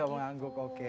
jadi ngangguk oke